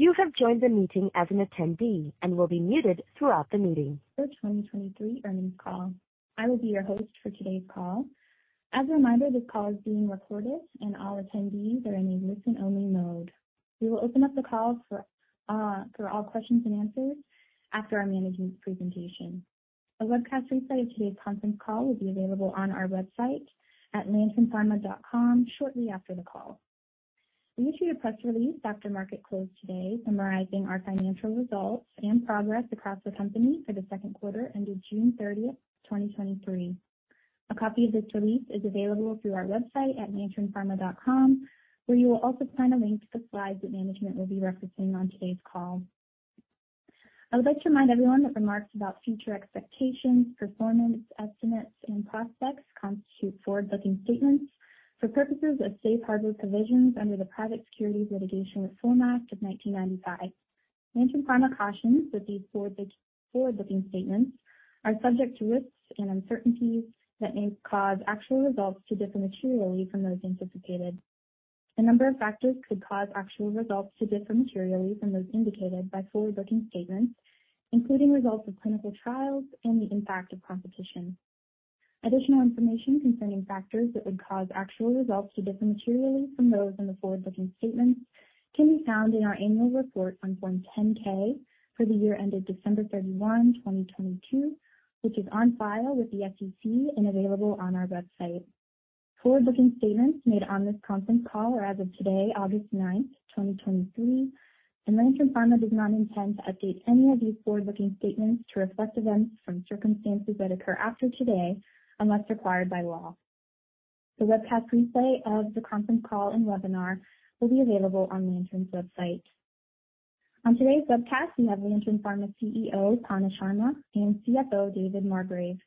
You have joined the meeting as an attendee and will be muted throughout the meeting.... For 2023 earnings call. I will be your host for today's call. As a reminder, this call is being recorded, and all attendees are in a listen-only mode. We will open up the call for for all questions and answers after our management presentation. A webcast replay of today's conference call will be available on our website at lanternpharma.com shortly after the call. We issued a press release after market close today, summarizing our financial results and progress across the company for the Q2 ended June 30, 2023. A copy of this release is available through our website at lanternpharma.com, where you will also find a link to the slides that management will be referencing on today's call. I would like to remind everyone that remarks about future expectations, performance, estimates, and prospects constitute forward-looking statements for purposes of safe harbor provisions under the Private Securities Litigation Reform Act of 1995. Lantern Pharma cautions that these forward-looking statements are subject to risks and uncertainties that may cause actual results to differ materially from those anticipated. A number of factors could cause actual results to differ materially from those indicated by forward-looking statements, including results of clinical trials and the impact of competition. Additional information concerning factors that would cause actual results to differ materially from those in the forward-looking statements can be found in our annual report on Form 10-K for the year ended December 31, 2022, which is on file with the SEC and available on our website. Forward-looking statements made on this conference call are as of today, August 9, 2023. Lantern Pharma does not intend to update any of these forward-looking statements to reflect events from circumstances that occur after today, unless required by law. The webcast replay of the conference call and webinar will be available on Lantern's website. On today's webcast, we have Lantern Pharma CEO, Panna Sharma, and CFO, David Margrave.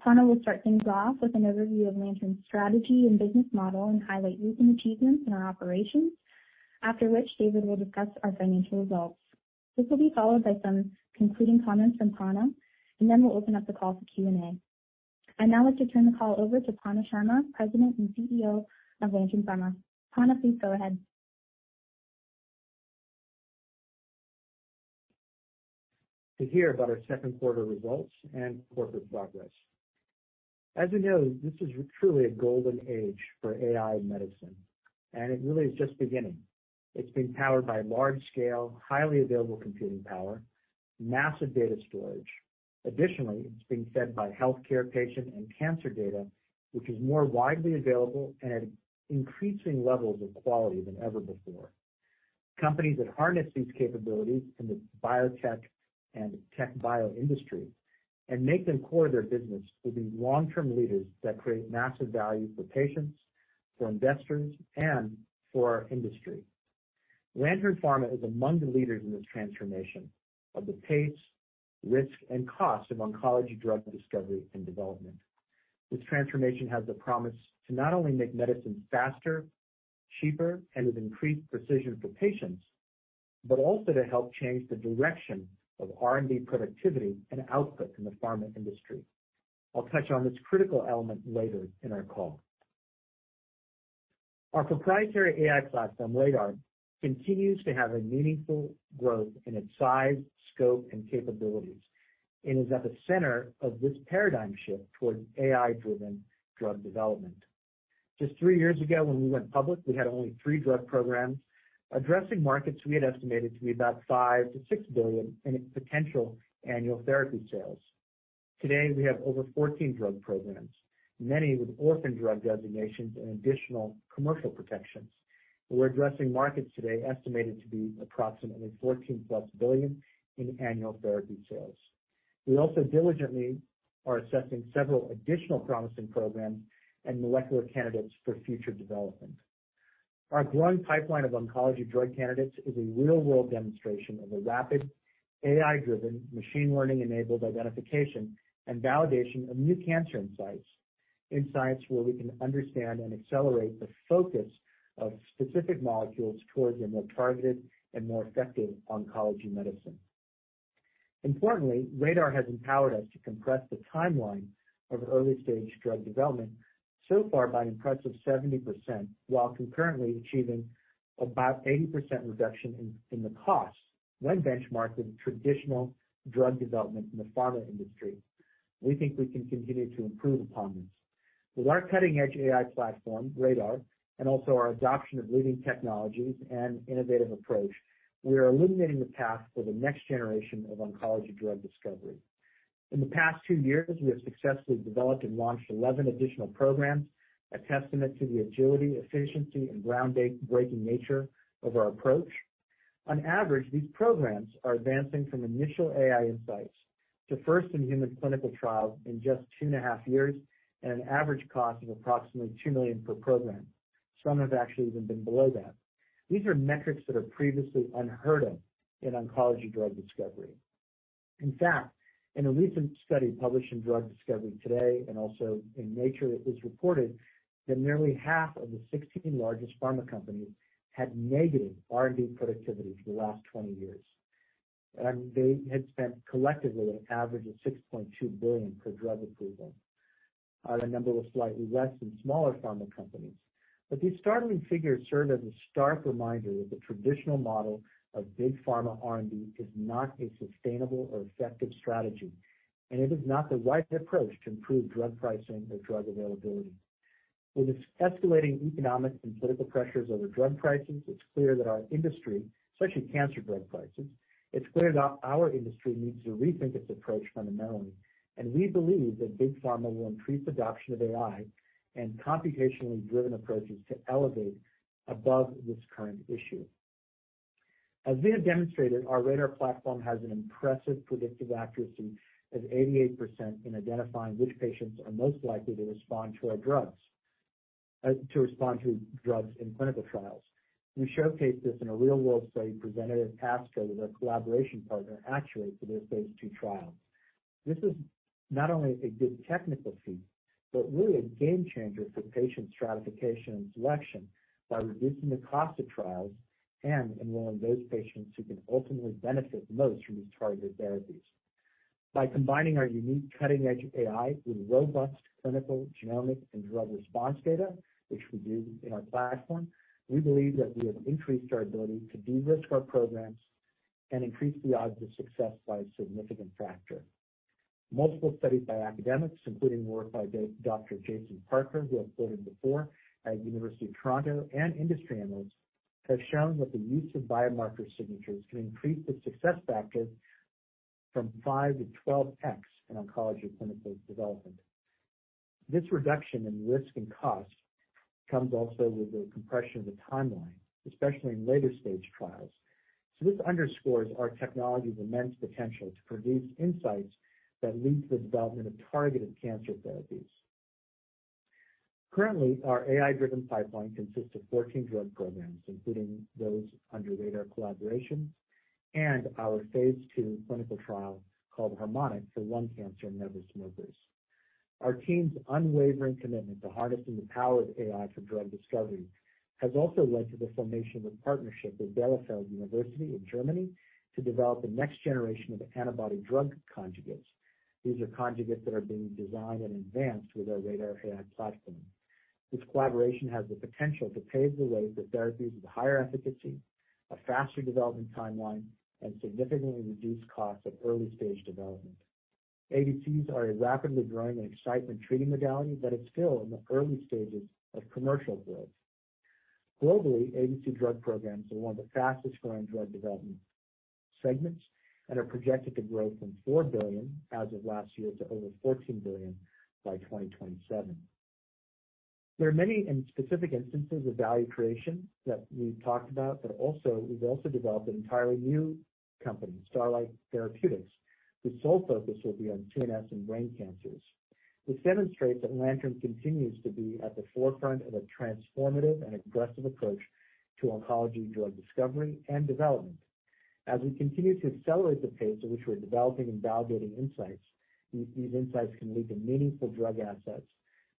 Prana will start things off with an overview of Lantern's strategy and business model and highlight recent achievements in our operations. After which, David will discuss our financial results. This will be followed by some concluding comments from Prana. We'll open up the call for Q&A. I'd now like to turn the call over toPanna Sharma, President and CEO of Lantern Pharma. Prana, please go ahead. To hear about our Q2 results and corporate progress. As you know, this is truly a golden age for AI medicine, and it really is just beginning. It's being powered by large-scale, highly available computing power, massive data storage. Additionally, it's being fed by healthcare, patient, and cancer data, which is more widely available and at increasing levels of quality than ever before. Companies that harness these capabilities in the biotech and tech bio industry and make them core to their business will be long-term leaders that create massive value for patients, for investors, and for our industry. Lantern Pharma is among the leaders in this transformation of the pace, risk, and cost of oncology drug discovery and development. This transformation has the promise to not only make medicine faster, cheaper, and with increased precision for patients, but also to help change the direction of R&D productivity and output in the pharma industry. I'll touch on this critical element later in our call. Our proprietary AI platform, RADR, continues to have a meaningful growth in its size, scope, and capabilities and is at the center of this paradigm shift towards AI-driven drug development. Just three years ago, when we went public, we had only three drug programs addressing markets we had estimated to be about $5 billion to $6 billion in its potential annual therapy sales. Today, we have over 14 drug programs, many with orphan drug designations and additional commercial protections. We're addressing markets today estimated to be approximately $14+ billion in annual therapy sales. We also diligently are assessing several additional promising programs and molecular candidates for future development. Our growing pipeline of oncology drug candidates is a real-world demonstration of the rapid AI-driven, machine learning-enabled identification and validation of new cancer insights, insights where we can understand and accelerate the focus of specific molecules towards a more targeted and more effective oncology medicine. Importantly, RADR has empowered us to compress the timeline of early-stage drug development so far by an impressive 70%, while concurrently achieving about 80% reduction in the cost when benchmarked with traditional drug development in the pharma industry. We think we can continue to improve upon this. With our cutting-edge AI platform, RADR, and also our adoption of leading technologies and innovative approach, we are illuminating the path for the next generation of oncology drug discovery. In the past two years, we have successfully developed and launched 11 additional programs, a testament to the agility, efficiency, and ground-breaking nature of our approach. On average, these programs are advancing from initial AI insights to first-in-human clinical trials in just two and a half years, at an average cost of approximately $2 million per program. Some have actually even been below that. These are metrics that are previously unheard of in oncology drug discovery. In fact, in a recent study published in Drug Discovery Today and also in Nature, it was reported that nearly half of the 16 largest pharma companies had negative R&D productivity for the last 20 years, and they had spent collectively an average of $6.2 billion per drug approval. Are a number of slightly less and smaller pharma companies. These startling figures serve as a stark reminder that the traditional model of big pharma R&D is not a sustainable or effective strategy, and it is not the right approach to improve drug pricing or drug availability. With its escalating economic and political pressures over drug pricing, it's clear that our industry, especially cancer drug pricing, it's clear that our industry needs to rethink its approach fundamentally, and we believe that big pharma will increase adoption of AI and computationally driven approaches to elevate above this current issue. As we have demonstrated, our RADR platform has an impressive predictive accuracy of 88% in identifying which patients are most likely to respond to our drugs, to respond to drugs in clinical trials. We showcased this in a real-world study presented at ASCO with our collaboration partner, Actuate, for their Phase 2 trial. This is not only a good technical feat, but really a game changer for patient stratification and selection by reducing the cost of trials and enrolling those patients who can ultimately benefit most from these targeted therapies. By combining our unique cutting-edge AI with robust clinical, genomic, and drug response data, which we do in our platform, we believe that we have increased our ability to de-risk our programs and increase the odds of success by a significant factor. Multiple studies by academics, including work by Dr. Jason Parker, who I've quoted before at University of Toronto, and industry analysts, have shown that the use of biomarker signatures can increase the success factor from 5 to 12x in oncology clinical development. This reduction in risk and cost comes also with a compression of the timeline, especially in later-stage trials. This underscores our technology's immense potential to produce insights that lead to the development of targeted cancer therapies. Currently, our AI-driven pipeline consists of 14 drug programs, including those under RADR collaborations and our phase II clinical trial called HARMONIC for lung cancer in never smokers. Our team's unwavering commitment to harnessing the power of AI for drug discovery has also led to the formation of a partnership with Bielefeld University in Germany to develop the next generation of antibody-drug conjugates. These are conjugates that are being designed and advanced with our RADR AI platform. This collaboration has the potential to pave the way for therapies with higher efficacy, a faster development timeline, and significantly reduced costs of early-stage development. ADCs are a rapidly growing and exciting treating modality that is still in the early stages of commercial growth. Globally, ADC drug programs are one of the fastest-growing drug development segments and are projected to grow from $4 billion as of last year to over $14 billion by 2027. There are many and specific instances of value creation that we've talked about, but also, we've also developed an entirely new company, Starlight Therapeutics. The sole focus will be on CNS and brain cancers, which demonstrates that Lantern continues to be at the forefront of a transformative and aggressive approach to oncology, drug discovery, and development. As we continue to accelerate the pace at which we're developing and validating insights, these insights can lead to meaningful drug assets.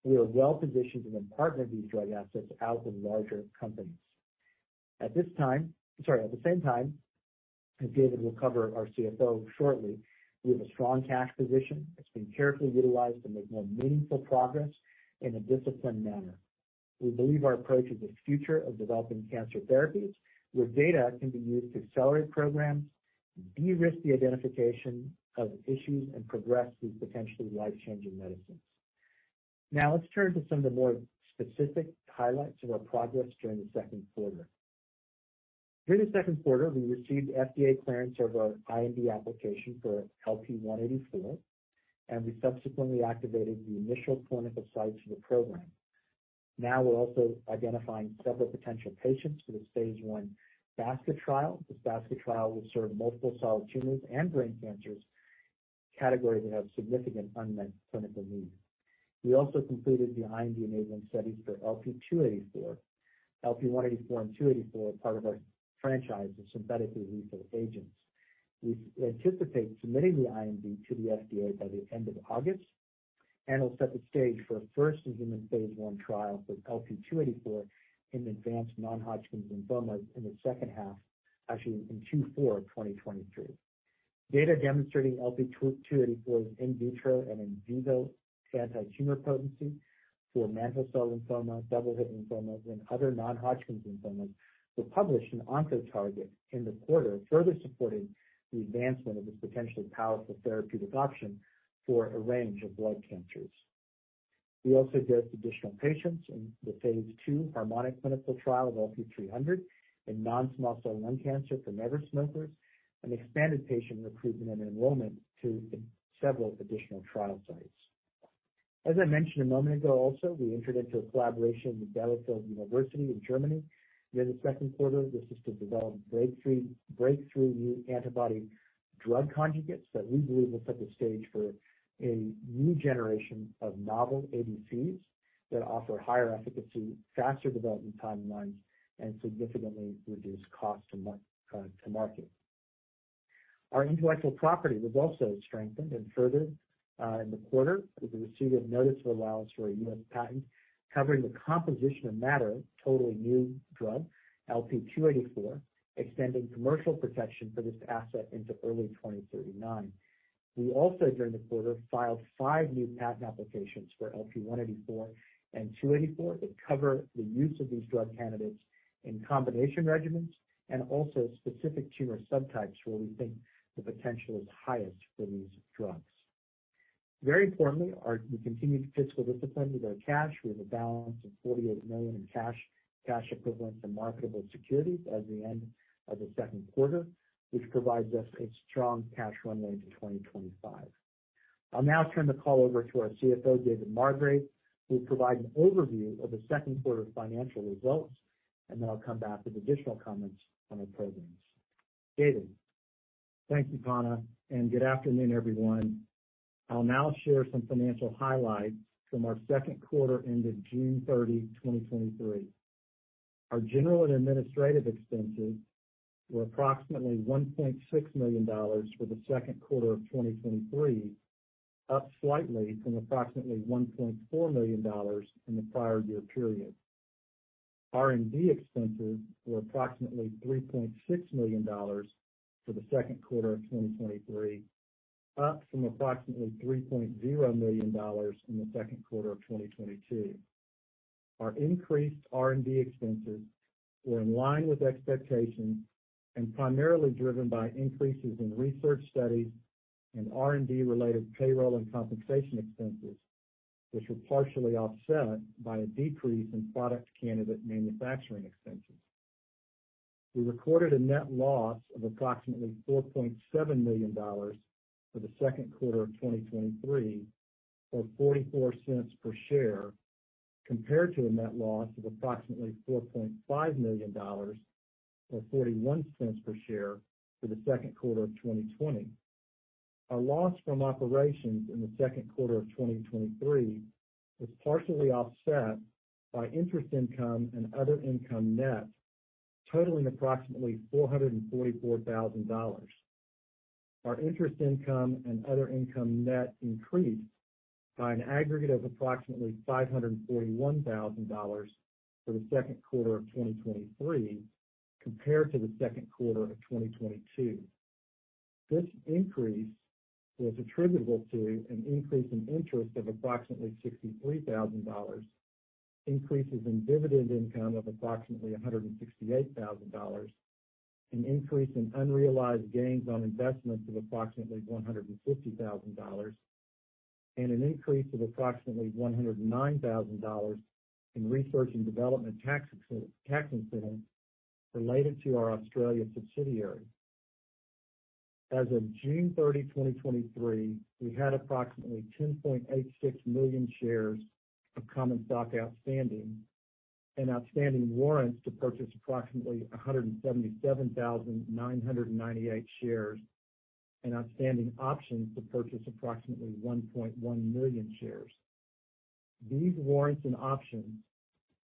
We are well-positioned to then partner these drug assets out with larger companies. At this time... Sorry, at the same time, as David will cover our CFO shortly, we have a strong cash position that's being carefully utilized to make more meaningful progress in a disciplined manner. We believe our approach is the future of developing cancer therapies, where data can be used to accelerate programs, de-risk the identification of issues, and progress these potentially life-changing medicines. Let's turn to some of the more specific highlights of our progress during the Q2. During the Q2, we received FDA clearance of our IND application for LP-184, we subsequently activated the initial clinical sites for the program. We're also identifying several potential patients for the phase I basket trial. This basket trial will serve multiple solid tumors and brain cancers, categories that have significant unmet clinical needs. We also completed the IND-enabling studies for LP-284. LP-184 and 284 are part of our franchise of synthetically lethal agents. We anticipate submitting the IND to the FDA by the end of August, it'll set the stage for a first-in-human phase I trial for LP-284 in advanced non-Hodgkin's lymphoma in the second half, actually in Q4 of 2023. Data demonstrating LP-284's in vitro and in vivo antitumor potency for mantle cell lymphoma, double-hit lymphomas, and other non-Hodgkin's lymphomas were published in Oncotarget in the quarter, further supporting the advancement of this potentially powerful therapeutic option for a range of blood cancers. We also dosed additional patients in the phase II HARMONIC clinical trial of LP-300 in non-small cell lung cancer for never smokers and expanded patient recruitment and enrollment to several additional trial sites. As I mentioned a moment ago also, we entered into a collaboration with Bielefeld University in Germany during the Q2. This is to develop breakthrough, breakthrough new antibody drug conjugates that we believe will set the stage for a new generation of novel ADCs that offer higher efficacy, faster development timelines, and significantly reduced cost to mar-, to market. Our intellectual property was also strengthened and further, in the quarter, as we received a notice of allowance for a US patent covering the composition of matter, totally new drug, LP-284, extending commercial protection for this asset into early 2039. Also, during the quarter, filed 5 new patent applications for LP-184 and 284 that cover the use of these drug candidates in combination regimens and also specific tumor subtypes, where we think the potential is highest for these drugs. Very importantly, we continued fiscal discipline with our cash. We have a balance of $48 million in cash, cash equivalents, and marketable securities at the end of the Q2, which provides us a strong cash runway into 2025. I'll now turn the call over to our CFO, David Margrave, who will provide an overview of the Q2 financial results, and then I'll come back with additional comments on our programs. David? Thank you, Panna, and good afternoon, everyone. I'll now share some financial highlights from our Q2, ended June 30, 2023. Our general and administrative expenses were approximately $1.6 million for the Q2 of 2023, up slightly from approximately $1.4 million in the prior year period. R&D expenses were approximately $3.6 million for the Q2 of 2023, up from approximately $3.0 million in the Q2 of 2022. Our increased R&D expenses were in line with expectations and primarily driven by increases in research studies and R&D-related payroll and compensation expenses, which were partially offset by a decrease in product candidate manufacturing expenses. We recorded a net loss of approximately $4.7 million for the Q2 of 2023, or $0.44 per share, compared to a net loss of approximately $4.5 million, or $0.41 per share, for the Q2 of 2020. Our loss from operations in the Q2 of 2023 was partially offset by interest income and other income net, totaling approximately $444,000. Our interest income and other income net increased by an aggregate of approximately $541,000 for the Q2 of 2023, compared to the Q2 of 2022. This increase was attributable to an increase in interest of approximately $63,000, increases in dividend income of approximately $168,000, an increase in unrealized gains on investments of approximately $150,000, and an increase of approximately $109,000 in research and development tax incentive related to our Australian subsidiary. As of June 30, 2023, we had approximately 10.86 million shares of common stock outstanding and outstanding warrants to purchase approximately 177,998 shares and outstanding options to purchase approximately 1.1 million shares. These warrants and options,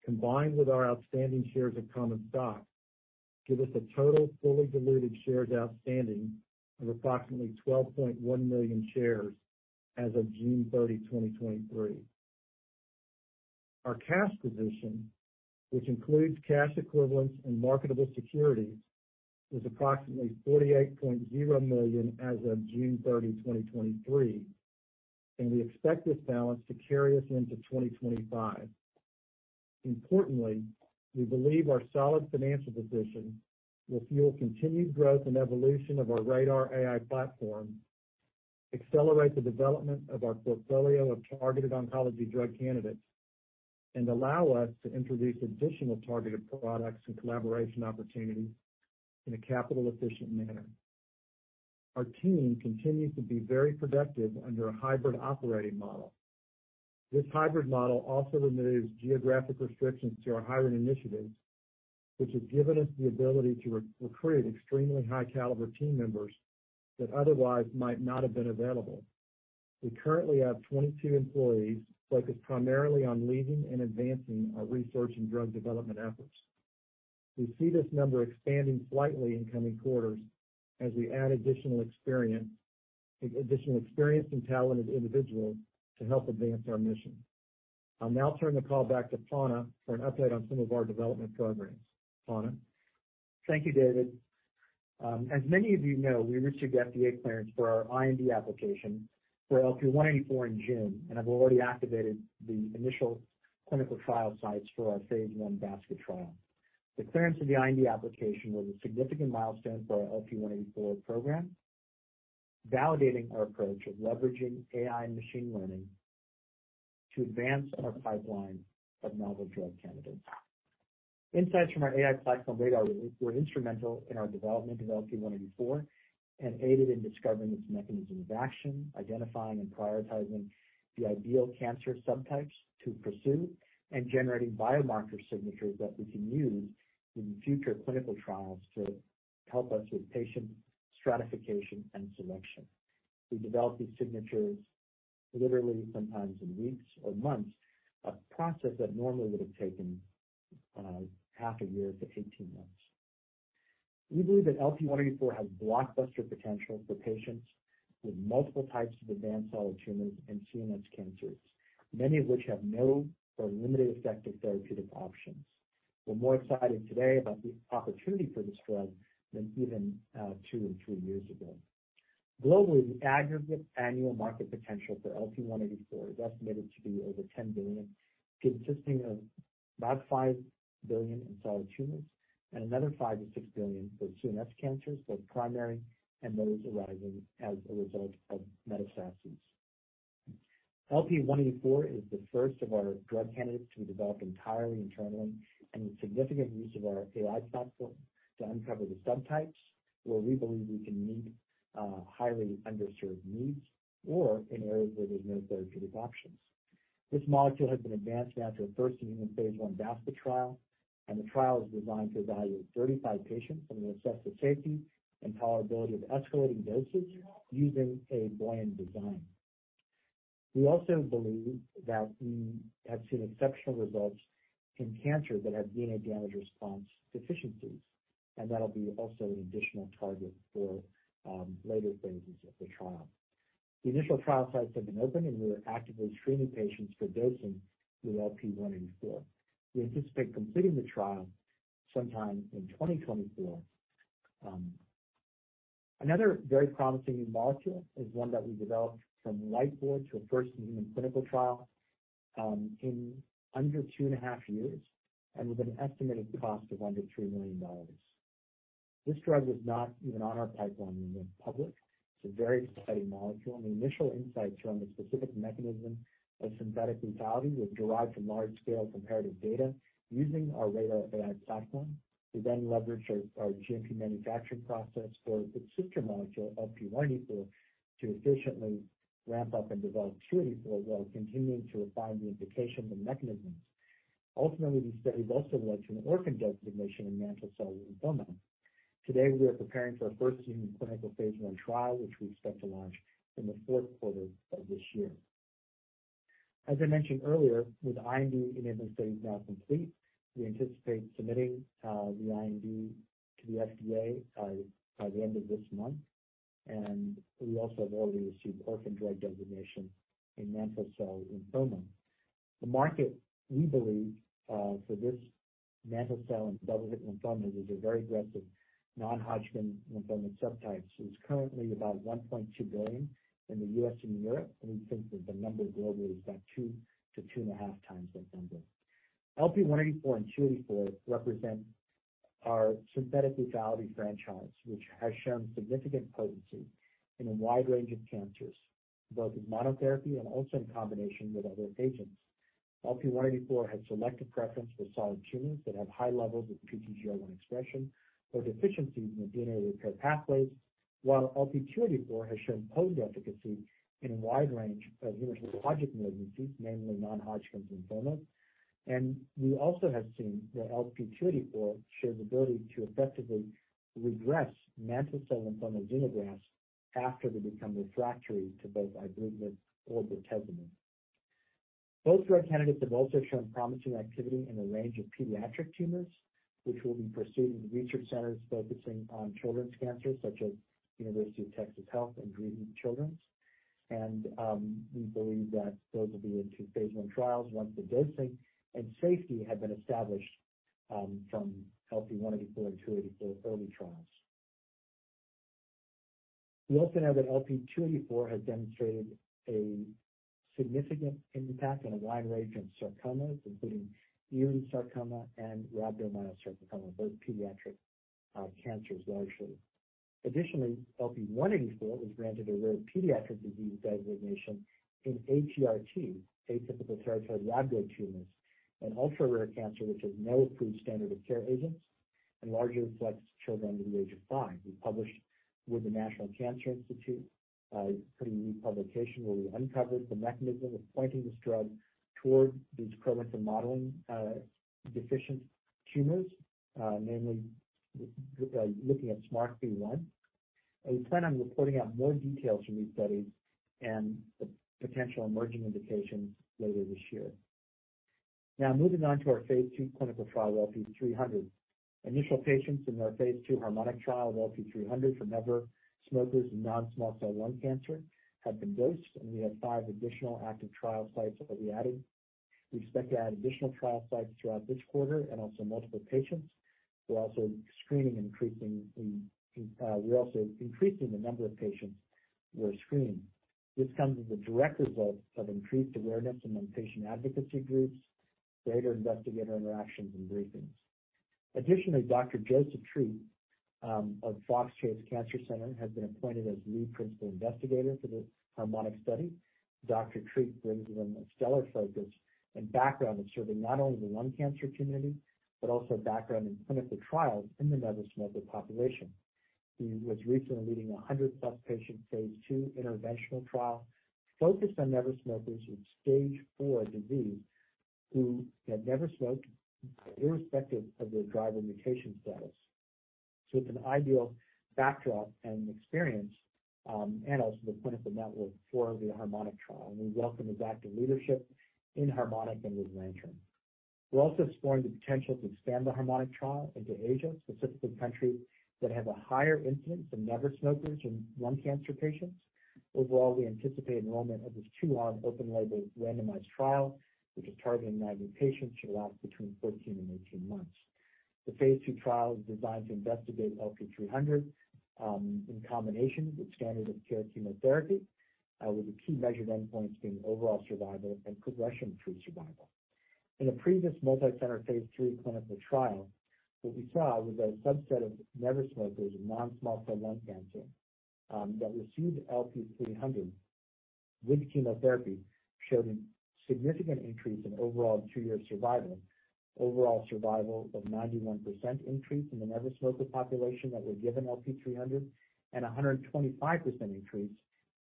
combined with our outstanding shares of common stock, give us a total fully diluted shares outstanding of approximately 12.1 million shares as of June 30, 2023. Our cash position, which includes cash equivalents and marketable securities, was approximately $48 million as of June 30, 2023. We expect this balance to carry us into 2025. Importantly, we believe our solid financial position will fuel continued growth and evolution of our RADR AI platform, accelerate the development of our portfolio of targeted oncology drug candidates, and allow us to introduce additional targeted products and collaboration opportunities in a capital-efficient manner. Our team continues to be very productive under a hybrid operating model. This hybrid model also removes geographic restrictions to our hiring initiatives, which has given us the ability to recruit extremely high-caliber team members that otherwise might not have been available. We currently have 22 employees focused primarily on leading and advancing our research and drug development efforts. We see this number expanding slightly in coming quarters as we add additional experienced and talented individuals to help advance our mission. I'll now turn the call back to Panna for an update on some of our development programs. Panna? Thank you, David. As many of you know, we received FDA clearance for our IND application for LP-184 in June and have already activated the initial clinical trial sites for our phase I basket trial. The clearance of the IND application was a significant milestone for our LP-184 program, validating our approach of leveraging AI and machine learning to advance our pipeline of novel drug candidates. Insights from our AI platform, RADR, were instrumental in our development of LP-184 and aided in discovering its mechanism of action, identifying and prioritizing the ideal cancer subtypes to pursue, and generating biomarker signatures that we can use in future clinical trials to help us with patient stratification and selection. We developed these signatures literally sometimes in weeks or months, a process that normally would have taken half a year to 18 months. We believe that LP-184 has blockbuster potential for patients with multiple types of advanced solid tumors and CNS cancers, many of which have no or limited effective therapeutic options. We're more excited today about the opportunity for this drug than even two or three years ago. Globally, the aggregate annual market potential for LP-184 is estimated to be over $10 billion, consisting of about $5 billion in solid tumors and another $5 billion-$6 billion for CNS cancers, both primary and those arising as a result of metastases. LP-184 is the first of our drug candidates to be developed entirely internally, with significant use of our AI platform to uncover the subtypes where we believe we can meet highly underserved needs or in areas where there's no therapeutic options. This molecule has been advanced now to a first-in-human phase I basket trial, and the trial is designed to evaluate 35 patients and assess the safety and tolerability of escalating doses using a blind design. We also believe that we have seen exceptional results in cancers that have DNA damage response deficiencies, and that'll be also an additional target for later phases of the trial. The initial trial sites have been opened, and we are actively screening patients for dosing with LP-184. We anticipate completing the trial sometime in 2024. Another very promising molecule is one that we developed from whiteboard to a first-in-human clinical trial in under two and a half years and with an estimated cost of under $3 million. This drug was not even on our pipeline when we went public. It's a very exciting molecule. The initial insights are on the specific mechanism of synthetic lethality was derived from large-scale comparative data using our RADR AI platform. We leveraged our GMP manufacturing process for the sister molecule, LP-184, to efficiently ramp up and develop LP-284, while continuing to refine the indications and mechanisms. Ultimately, these studies also led to an orphan designation in mantle cell lymphoma. Today, we are preparing for a first-in-human clinical phase I trial, which we expect to launch in the Q4 of this year. As I mentioned earlier, with IND-enabling studies now complete, we anticipate submitting the IND to the FDA by the end of this month, and we also have already received orphan drug designation in mantle cell lymphoma. The market, we believe, for this mantle cell and double-hit lymphoma is a very aggressive Non-Hodgkin lymphoma subtype. It's currently about $1.2 billion in the U.S. and Europe. We think that the number globally is about 2 to 2.5 times that number. LP-184 and LP-284 represent our synthetic lethality franchise, which has shown significant potency in a wide range of cancers, both as monotherapy and also in combination with other agents. LP-184 has selective preference for solid tumors that have high levels of PTGR1 expression or deficiencies in the DNA repair pathways. LP-284 has shown potent efficacy in a wide range of hematologic malignancies, namely Non-Hodgkin's lymphoma. We also have seen that LP-284 shows ability to effectively regress mantle cell lymphoma xenografts after they become refractory to both ibrutinib or bortezomib. Both drug candidates have also shown promising activity in a range of pediatric tumors, which we'll be pursuing in research centers focusing on children's cancer, such as University of Texas Health and Green Children's. We believe that those will be in 2 phase I trials once the dosing and safety have been established from LP-184 and LP-284 early trials. We also know that LP-284 has demonstrated a significant impact on a wide range of sarcomas, including Ewing sarcoma and rhabdomyosarcoma, both pediatric cancers largely. Additionally, LP-184 was granted a rare pediatric disease designation in ATRT, atypical teratoid rhabdoid tumors, an ultra-rare cancer which has no approved standard of care agents and largely affects children under the age of five. We published with the National Cancer Institute, a pretty neat publication where we uncovered the mechanism of pointing this drug toward these prone to modeling, deficient tumors, namely, looking at SMARCB1. We plan on reporting out more details from these studies and the potential emerging indications later this year. Now, moving on to our phase II clinical trial, LP-300. Initial patients in our phase II HARMONIC trial of LP-300 for never smokers with non-small cell lung cancer have been dosed, and we have five additional active trial sites that we added. We expect to add additional trial sites throughout this quarter and also multiple patients. We're also increasing the number of patients we're screening. This comes as a direct result of increased awareness among patient advocacy groups, greater investigator interactions, and briefings. Additionally, Dr. Joseph Treat of Fox Chase Cancer Center has been appointed as lead principal investigator for the HARMONIC study. Dr. Treat brings them a stellar focus and background in serving not only the lung cancer community, but also a background in clinical trials in the never smoker population. He was recently leading a 100-plus patient phase II interventional trial focused on never smokers with stage 4 disease, who had never smoked, irrespective of their driver mutation status. It's an ideal backdrop and experience, and also the clinical network for the HARMONIC trial, and we welcome his active leadership in HARMONIC and with Lantern. We're also exploring the potential to expand the HARMONIC trial into Asia, specifically countries that have a higher incidence of never smokers in lung cancer patients. Overall, we anticipate enrollment of this 2-arm, open-label randomized trial, which is targeting 90 patients, should last between 14 and 18 months. The phase II trial is designed to investigate LP-300 in combination with standard of care chemotherapy, with the key measured endpoints being overall survival and progression-free survival. In a previous multicenter phase III clinical trial, what we saw was a subset of never smokers with non-small cell lung cancer that received LP-300 with chemotherapy, showed a significant increase in overall two-year survival. Overall survival of 91% increase in the never smokers population that were given LP-300, and 125% increase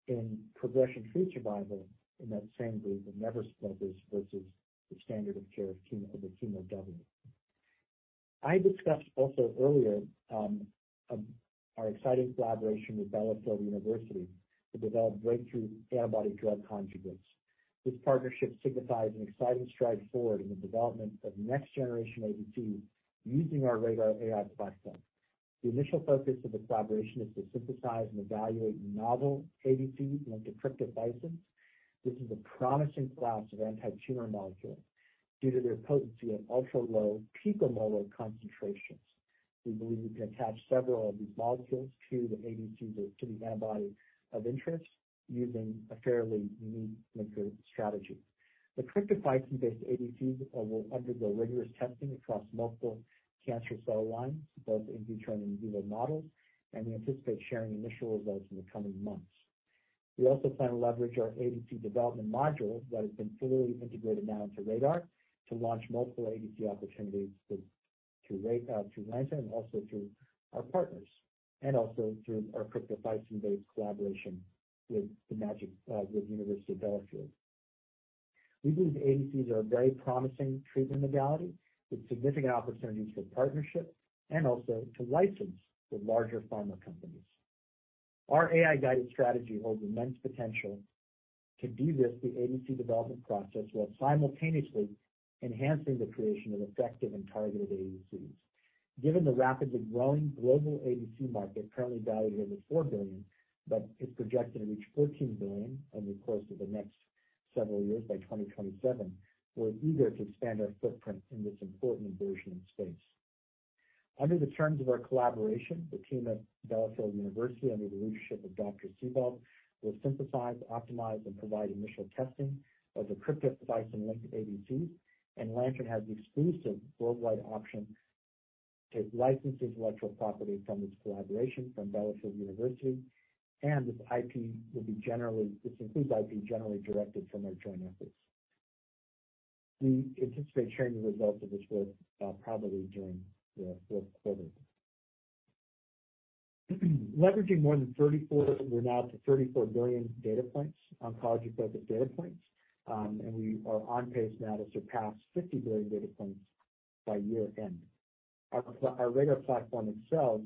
in progression-free survival in that same group of never smokers versus the standard of care of chemo, the chemo W. I discussed also earlier, our exciting collaboration with Bielefeld University to develop breakthrough antibody-drug conjugates. This partnership signifies an exciting stride forward in the development of next generation ADCs, using our RADR AI platform. The initial focus of the collaboration is to synthesize and evaluate novel ADCs, like the cryptophycin. This is a promising class of antitumor molecules due to their potency at ultra-low picomolar concentrations. We believe we can attach several of these molecules to the ADCs, to the antibody of interest, using a fairly unique linker strategy. The cryptophycin -based ADCs will undergo rigorous testing across multiple cancer cell lines, both in vitro and in vivo models, and we anticipate sharing initial results in the coming months. We also plan to leverage our ADC development module that has been fully integrated now into RADR, to launch multiple ADC opportunities to, to Lantern and also through our partners, and also through our cryptophycin -based collaboration with Bielefeld University. We believe ADCs are a very promising treatment modality, with significant opportunities for partnership and also to license with larger pharma companies. Our AI-guided strategy holds immense potential to de-risk the ADC development process, while simultaneously enhancing the creation of effective and targeted ADCs. Given the rapidly growing global ADC market, currently valued at over $4 billion, but is projected to reach $14 billion over the course of the next several years by 2027, we're eager to expand our footprint in this important emerging space. Under the terms of our collaboration, the team at Bielefeld University, under the leadership of Dr. Sebald, will synthesize, optimize, and provide initial testing of the cryptophycin -linked ADCs. Lantern has the exclusive worldwide option to license intellectual property from this collaboration from Bielefeld University. This includes IP generally directed from our joint efforts. We anticipate sharing the results of this work, probably during the Q4. Leveraging more than 34, we're now up to 34 billion data points, oncology-focused data points. We are on pace now to surpass 50 billion data points by year end. Our RADR platform excels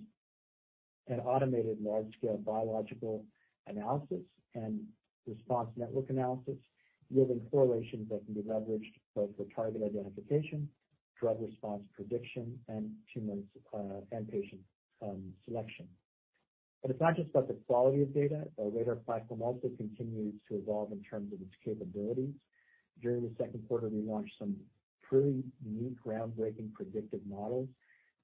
at automated large-scale biological analysis and response network analysis, yielding correlations that can be leveraged both for target identification, drug response prediction, and tumor and patient selection. It's not just about the quality of data. Our RADR platform also continues to evolve in terms of its capabilities. During the Q2, we launched some pretty unique, groundbreaking predictive models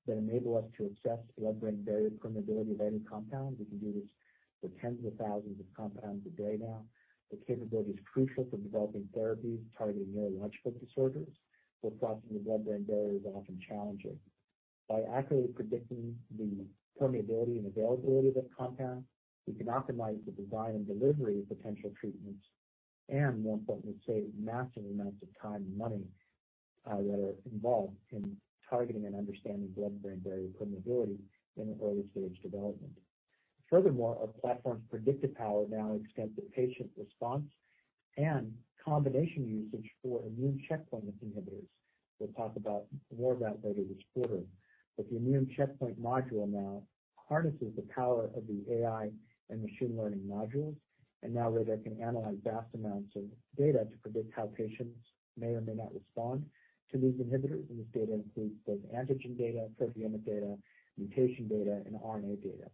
that enable us to assess blood-brain barrier permeability of any compound. We can do this for tens of thousands of compounds a day now. The capability is crucial for developing therapies targeting neurological disorders, where crossing the blood-brain barrier is often challenging. By accurately predicting the permeability and availability of a compound, we can optimize the design and delivery of potential treatments, and more importantly, save massive amounts of time and money that are involved in targeting and understanding blood-brain barrier permeability in early-stage development. Furthermore, our platform's predictive power now extends to patient response and combination usage for immune checkpoint inhibitors. We'll talk about more of that later this quarter. The immune checkpoint module now harnesses the power of the AI and machine learning modules, and now RADR can analyze vast amounts of data to predict how patients may or may not respond to these inhibitors. This data includes both antigen data, proteomic data, mutation data, and RNA data.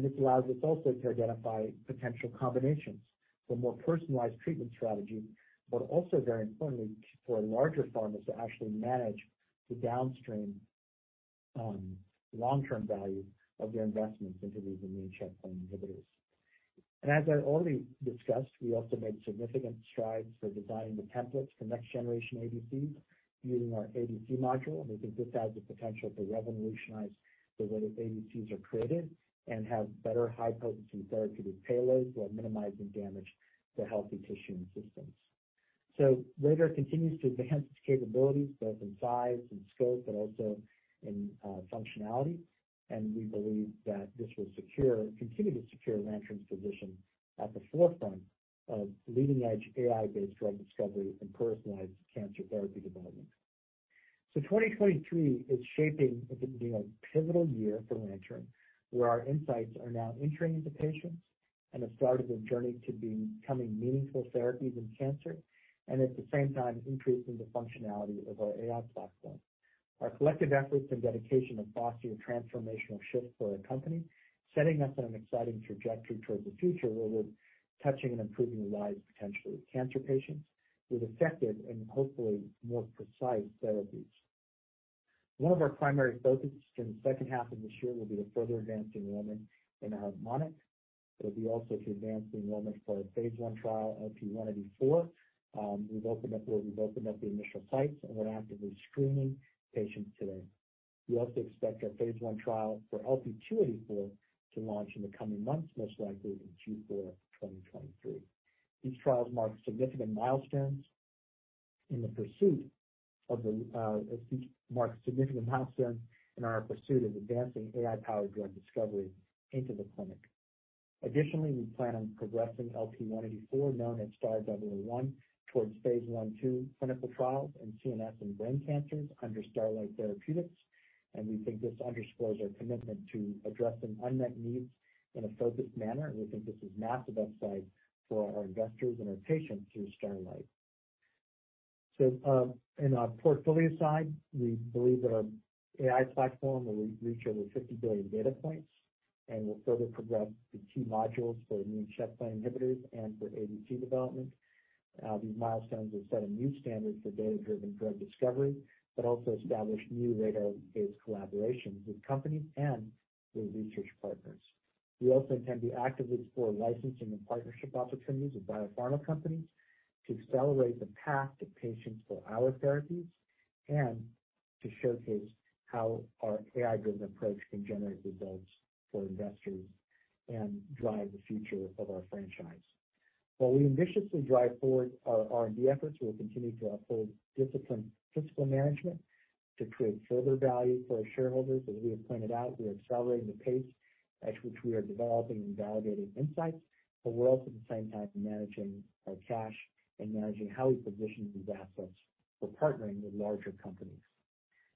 This allows us also to identify potential combinations for more personalized treatment strategies, but also very importantly, for larger pharmas to actually manage the downstream, long-term value of their investments into these immune checkpoint inhibitors. As I already discussed, we also made significant strides for designing the templates for next generation ADCs using our ADC module. We think this has the potential to revolutionize the way ADCs are created and have better high-potency therapeutic payloads, while minimizing damage to healthy tissue and systems. RADR continues to enhance its capabilities, both in size and scope, but also in functionality, and we believe that this will secure, continue to secure Lantern's position at the forefront of leading-edge AI-based drug discovery and personalized cancer therapy development. 2023 is shaping up to be a pivotal year for Lantern, where our insights are now entering into patients and the start of the journey to becoming meaningful therapies in cancer, and at the same time, increasing the functionality of our AI platform. Our collective efforts and dedication have fostered a transformational shift for our company, setting us on an exciting trajectory towards the future, where we're touching and improving the lives of potentially cancer patients with effective and hopefully more precise therapies. One of our primary focuses in the second half of this year will be to further advance enrollment in HARMONIC. It'll be also to advance the enrollment for our phase I trial, LP-184. We've opened up where we've opened up the initial sites and we're actively screening patients today. We also expect our phase I trial for LP-284 to launch in the coming months, most likely in Q4, 2023. These trials mark significant milestones in our pursuit of advancing AI-powered drug discovery into the clinic. Additionally, we plan on progressing LP-184, known as STAR-001, towards phase I, II clinical trials in CNS and brain cancers under Starlight Therapeutics. We think this underscores our commitment to addressing unmet needs in a focused manner, and we think this is massive upside for our investors and our patients through Starlight. In our portfolio side, we believe that our AI platform will reach over 50 billion data points, and we'll further progress the key modules for immune checkpoint inhibitors and for ADT development. These milestones will set a new standard for data-driven drug discovery, but also establish new data-based collaborations with companies and with research partners. We also intend to actively explore licensing and partnership opportunities with biopharma companies to accelerate the path to patients for our therapies and to showcase how our AI-driven approach can generate results for investors and drive the future of our franchise. While we ambitiously drive forward our R&D efforts, we'll continue to uphold disciplined fiscal management to create further value for our shareholders. As we have pointed out, we are accelerating the pace at which we are developing and validating insights, but we're also at the same time managing our cash and managing how we position these assets for partnering with larger companies.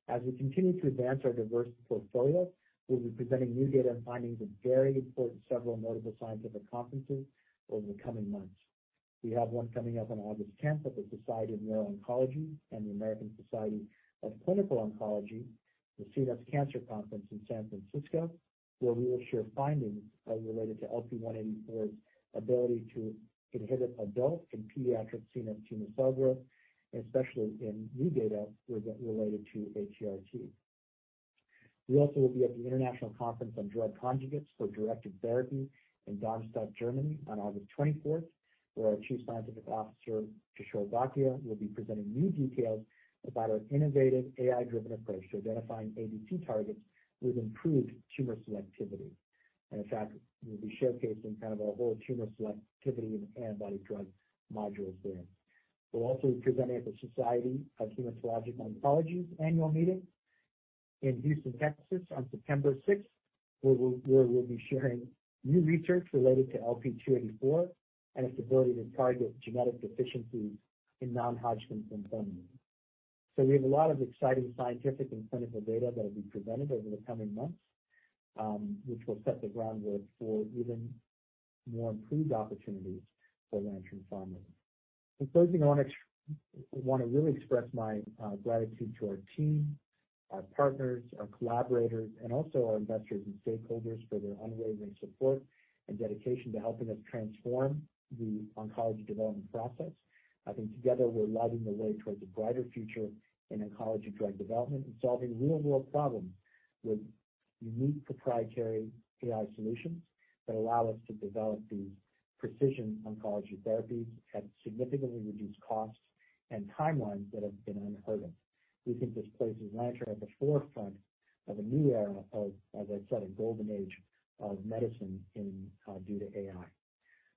As we continue to advance our diverse portfolio, we'll be presenting new data and findings at very important, several notable scientific conferences over the coming months. We have one coming up on August 10 at the Society of Neuro-Oncology and the American Society of Clinical Oncology, the CNS Cancer Conference in San Francisco, where we will share findings related to LP-184's ability to inhibit adult and pediatric CNS tumor cell growth, especially in new data related to HDRT. We also will be at the International Conference on Drug Conjugates for Directed Therapy in Darmstadt, Germany, on August 24, where our Chief Scientific Officer, Kishor Bhatia, will be presenting new details about our innovative AI-driven approach to identifying ADT targets with improved tumor selectivity. In fact, we'll be showcasing kind of our whole tumor selectivity and antibody drug modules there. We're also presenting at the Society of Hematological Oncology's annual meeting in Houston, Texas, on September sixth, where we'll, where we'll be sharing new research related to LP-284 and its ability to target genetic deficiencies in non-Hodgkin's lymphoma. We have a lot of exciting scientific and clinical data that will be presented over the coming months, which will set the groundwork for even more improved opportunities for Lantern Pharma. In closing, I want to really express my gratitude to our team, our partners, our collaborators, and also our investors and stakeholders for their unwavering support and dedication to helping us transform the oncology development process. I think together, we're lighting the way towards a brighter future in oncology drug development and solving real-world problems with unique proprietary AI solutions that allow us to develop these precision oncology therapies at significantly reduced costs and timelines that have been unheard of. We think this places Lantern at the forefront of a new era of, as I said, a golden age of medicine in, due to AI.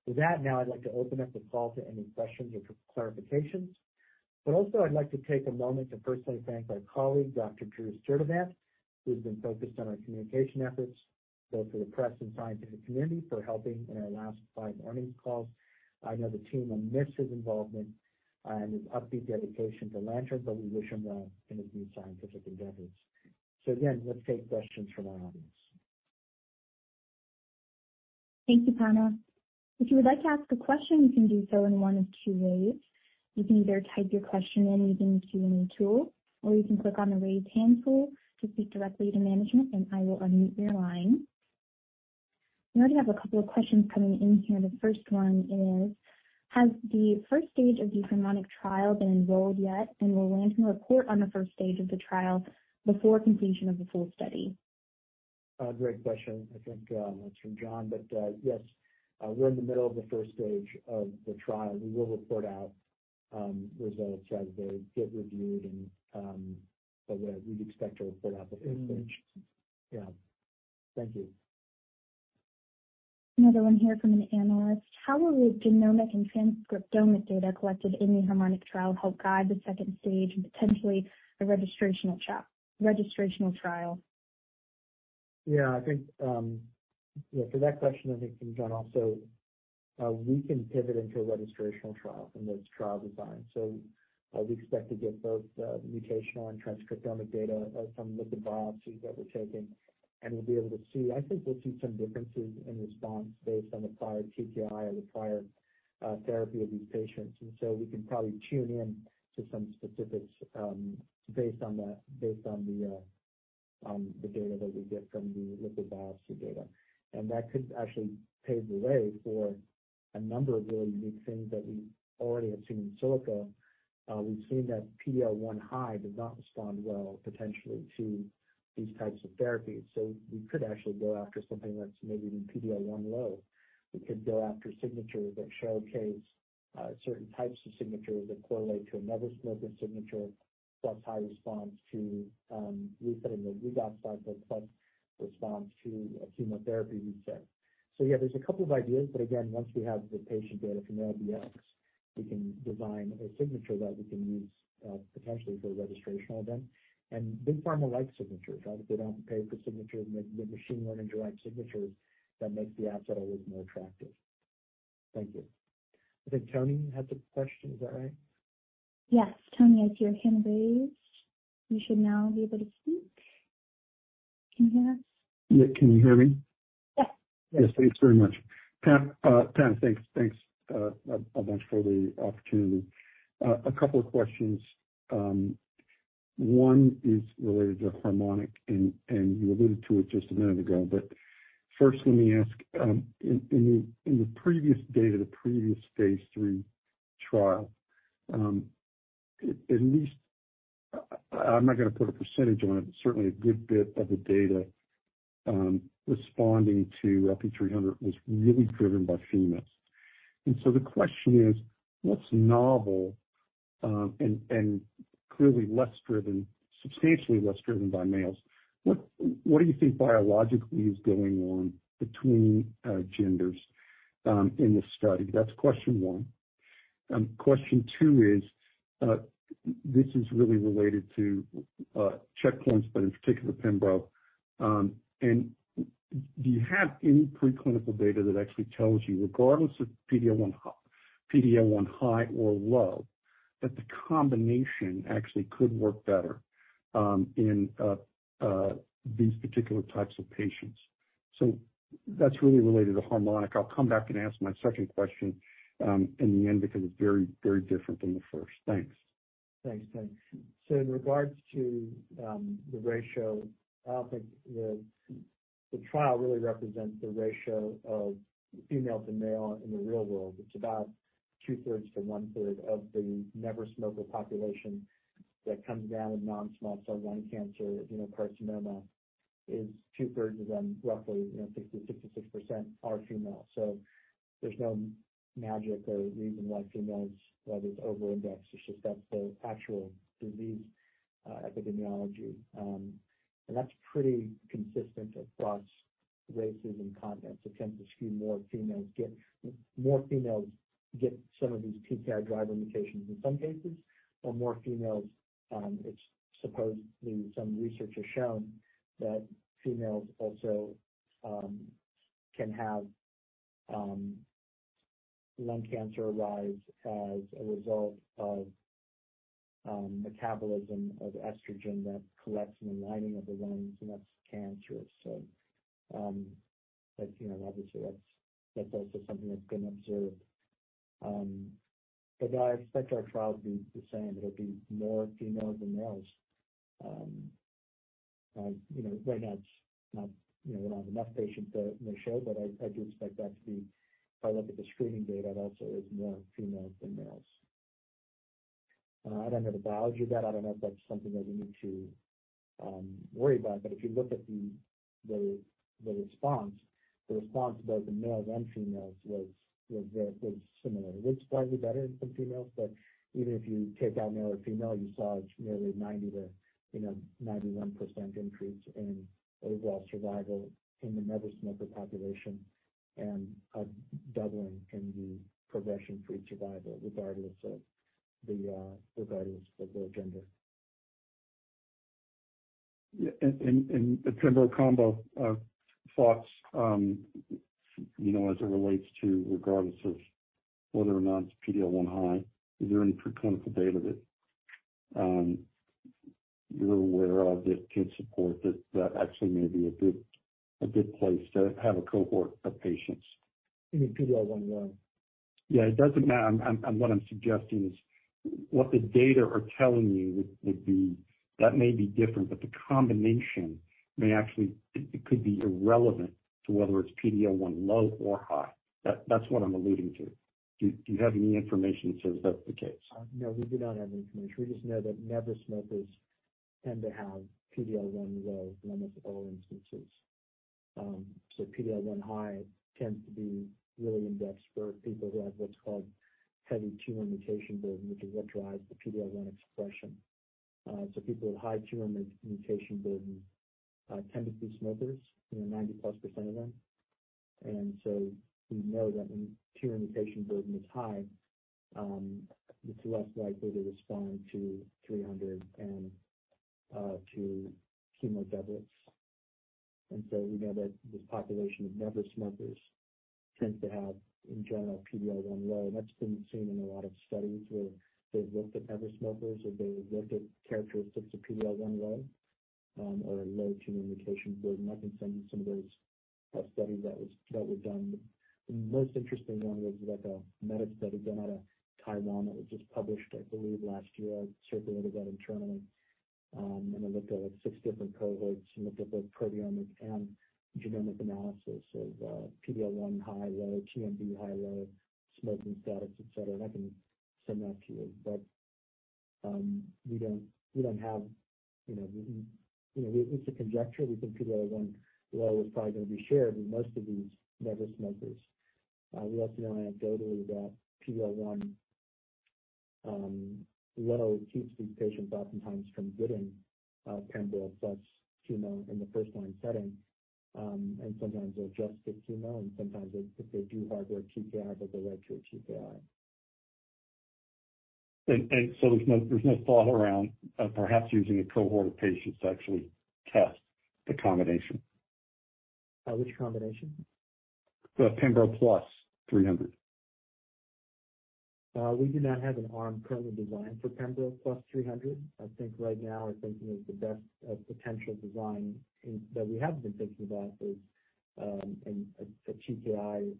With that, now I'd like to open up the call to any questions or for clarifications. Also I'd like to take a moment to personally thank my colleague, Dr. Drew Sturdivant, who's been focused on our communication efforts, both for the press and scientific community, for helping in our last five earnings calls. I know the team will miss his involvement and his upbeat dedication to Lantern, but we wish him well in his new scientific endeavors. Again, let's take questions from our audience. Thank you, Panna. If you would like to ask a question, you can do so in one of two ways. You can either type your question in using the Q&A tool, or you can click on the Raise Hand tool to speak directly to management, and I will unmute your line. We already have a couple of questions coming in here. The first one is: Has the first stage of the HARMONIC trial been enrolled yet? Will Lantern report on the first stage of the trial before completion of the full study? Great question. I think, that's from John. Yes, we're in the middle of the first stage of the trial. We will report out, results as they get reviewed and, but, yeah, we'd expect to report out the first stage. Yeah. Thank you. Another one here from an analyst: How will the genomic and transcriptomic data collected in the HARMONIC trial help guide the second stage and potentially the registrational trial, registrational trial? Yeah, I think, yeah, for that question, I think from John also, we can pivot into a registrational trial from this trial design. We expect to get both the mutational and transcriptomic data from the biopsies that we're taking, and we'll be able to see. I think we'll see some differences in response based on the prior TKI or the prior therapy of these patients. So we can probably tune in to some specifics, based on the, based on the data that we get from the liquid biopsy data. That could actually pave the way for a number of really unique things that we already have seen in silico. We've seen that PDL1 high does not respond well potentially to these types of therapies. We could actually go after something that's maybe even PDL1 low. We could go after signatures that showcase certain types of signatures that correlate to another smoker signature, plus high response to resetting the redox cycle, plus response to a chemotherapy reset. Yeah, there's a couple of ideas, but again, once we have the patient data from LBS, we can design a signature that we can use, potentially for a registrational event. Big pharma likes signatures. If they don't pay for signatures, make machine learning-derived signatures that makes the asset always more attractive. Thank you. I think Tony had some questions, is that right? Yes. Tony, I see your hand raised. You should now be able to speak. Can you hear us? Yeah. Can you hear me? Yes. Yes. Thanks very much. Panna, Panna, thanks, thanks, a bunch for the opportunity. A couple of questions. One is related to HARMONIC, and you alluded to it just a minute ago, but first, let me ask, in the previous data, the previous phase III trial, at least... I'm not gonna put a percentage on it, but certainly a good bit of the data, responding to LP-300 was really driven by females. The question is, what's novel, and clearly less driven, substantially less driven by males? What do you think biologically is going on between genders in this study? That's question one. Question two is, this is really related to checkpoints, but in particular, PIMBO. Do you have any preclinical data that actually tells you, regardless of PDL1 hi- PDL1, high or low, that the combination actually could work better in these particular types of patients? That's really related to HARMONIC. I'll come back and ask my second question in the end, because it's very, very different than the first. Thanks. Thanks. Thanks. In regards to the ratio, I don't think the trial really represents the ratio of females and male in the real world. It's about 2/3 to 1/3 of the never smoker population that comes down with non-small cell lung cancer. Adenocarcinoma is 2/3 of them, roughly, you know, 60%-66% are female. There's no magic or reason why females, why there's overindex. It's just that's the actual disease epidemiology. That's pretty consistent across races and continents. It tends to skew more females get more females get some of these PTI driver mutations in some cases, or more females, it's supposedly some research has shown that females also can have lung cancer arise as a result of metabolism of estrogen that collects in the lining of the lungs, and that's cancerous. You know, obviously, that's, that's also something that's been observed. I expect our trial to be the same. It'll be more females than males. You know, right now it's not, you know, not enough patients to, to show, but I, I do expect that to be... If I look at the screening data, it also is more females than males. I don't know the biology of that. I don't know if that's something that we need to worry about. If you look at the, the, the response, the response to both the males and females was, was very, was similar. It was slightly better in some females, but even if you take out male or female, you saw nearly 90 to, you know, 91% increase in overall survival in the never smoker population and a doubling in the progression-free survival, regardless of the, regardless of the gender. Yeah, and, and, the pembro combo, thoughts, you know, as it relates to regardless of whether or not it's PDL1 high, is there any preclinical data that, you're aware of that can support that, that actually may be a good, a good place to have a cohort of patients? You mean PDL1 low? Yeah, it doesn't matter. What I'm suggesting is, what the data are telling you would be that may be different, but the combination may actually, it could be irrelevant to whether it's PDL1 low or high. That's what I'm alluding to. Do you have any information that says that's the case? No, we do not have any information. We just know that never smokers tend to have PDL1 low, one of all instances. PDL1 high tends to be really indexed for people who have what's called heavy tumor mutation burden, which is what drives the PDL1 expression. People with high tumor mutation burden tend to be smokers, you know, 90+% of them. We know that when tumor mutation burden is high, it's less likely to respond to 300 and to chemo doublets. We know that this population of never smokers tends to have, in general, PDL1 low, and that's been seen in a lot of studies where they've looked at never smokers, or they've looked at characteristics of PDL1 low, or low tumor mutation burden. I can send you some of those studies.... A study that was done. The most interesting one was like a meta study done out of Taiwan that was just published, I believe, last year. I circulated that internally. It looked at like six different cohorts and looked at both proteomic and genomic analysis of PD-L1 high/low, TMB high/low, smoking status, et cetera, and I can send that to you. We don't have, you know, we, you know, it's a conjecture. We think PD-L1 low is probably gonna be shared in most of these never smokers. We also know anecdotally that PD-L1 low keeps these patients oftentimes from getting pembro plus chemo in the first-line setting. Sometimes they're just with chemo, and sometimes if they do harbor TKI, they go right to a TKI. There's no, there's no thought around, perhaps using a cohort of patients to actually test the combination? Which combination? The pembro plus 300. We do not have an arm currently designed for pembro plus 300. I think right now we're thinking of the best potential design. That we have been thinking about is a TKI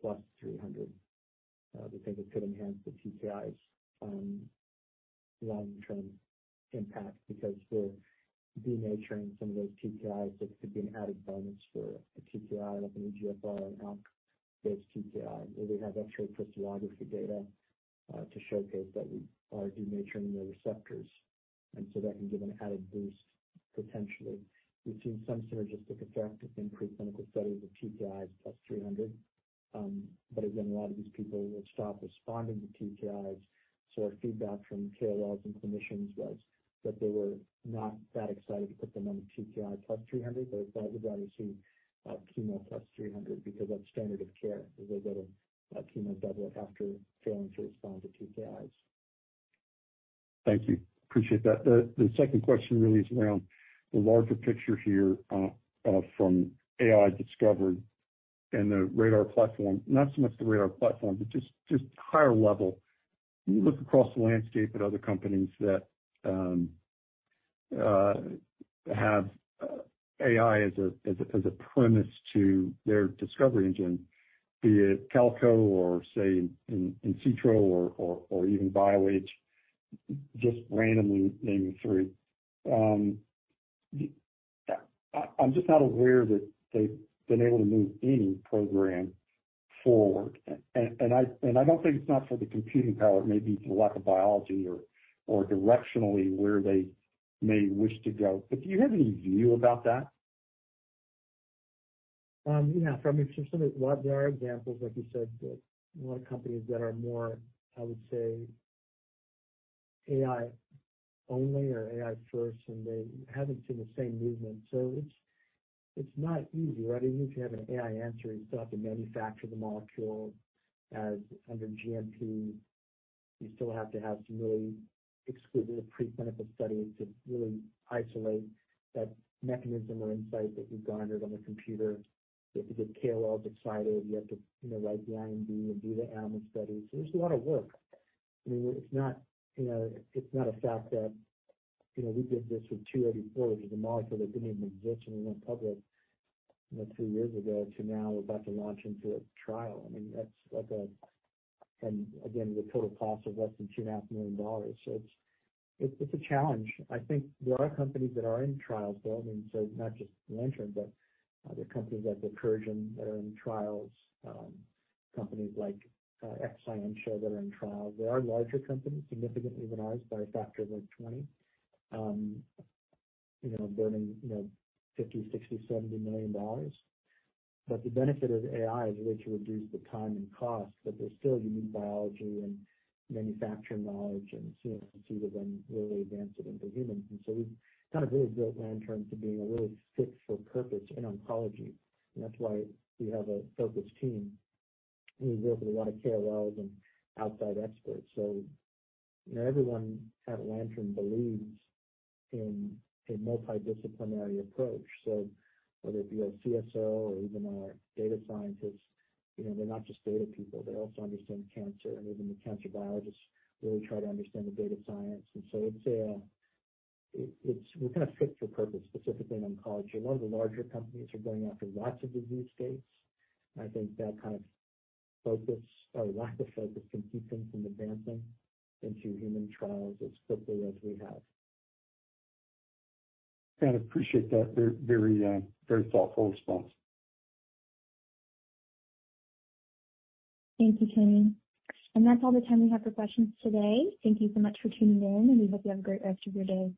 plus 300, because it could enhance the TKI's long-term impact. Because we're denaturing some of those TKIs, so it could be an added bonus for a TKI, like an EGFR and ALK-based TKI, where we have X-ray crystallography data to showcase that we are denaturing the receptors, and so that can give an added boost potentially. We've seen some synergistic effect in preclinical studies of TKIs plus 300. Again, a lot of these people would stop responding to TKIs. Our feedback from KLs and clinicians was that they were not that excited to put them on TKI plus 300. They would rather see, chemo plus 300, because that's standard of care, is they'll get a chemo double after failing to respond to TKIs. Thank you. Appreciate that. The second question really is around the larger picture here from AI discovery and the RADR platform. Not so much the RADR platform, but just higher level. You look across the landscape at other companies that have AI as a premise to their discovery engine, be it Calico or, say, in Insitro or even BioAge, just randomly naming three. The, I'm just not aware that they've been able to move any program forward, and I don't think it's not for the computing power, it may be for lack of biology or directionally where they may wish to go, but do you have any view about that? Yeah, from a specific... Well, there are examples, like you said, that a lot of companies that are more, I would say, AI only or AI first, and they haven't seen the same movement. It's, it's not easy, right? Even if you have an AI answer, you still have to manufacture the molecule as under GMP. You still have to have some really exclusive preclinical studies to really isolate that mechanism or insight that you've garnered on the computer. To get KLs excited, you have to, you know, write the IND and do the animal studies. There's a lot of work. I mean, it's not, you know, it's not a fact that, you know, we did this with LP-284, which is a molecule that didn't even exist when we went public, you know, two years ago to now we're about to launch into a trial. I mean, that's like a. The total cost of less than $2.5 million. It's, it's, it's a challenge. I think there are companies that are in trials, though, I mean, so not just Lantern, but there are companies like Recursion that are in trials, companies like Exscientia that are in trials. There are larger companies, significantly than ours by a factor of, like, 20, you know, burning, you know, $50 million, $60 million, $70 million. The benefit of AI is a way to reduce the time and cost, but there's still unique biology and manufacturing knowledge and CMC to then really advance it into humans. We've kind of really built Lantern to being a really fit-for-purpose in oncology, and that's why we have a focused team, and we work with a lot of KLs and outside experts. You know, everyone at Lantern believes in a multidisciplinary approach. Whether it be our CSO or even our data scientists, you know, they're not just data people, they also understand cancer. Even the cancer biologists really try to understand the data science. It's a, we're kind of fit for purpose, specifically in oncology. A lot of the larger companies are going after lots of disease states. I think that kind of focus or lack of focus can keep them from advancing into human trials as quickly as we have. I appreciate that very, very thoughtful response. Thank you, Kenny. That's all the time we have for questions today. Thank you so much for tuning in, and we hope you have a great rest of your day.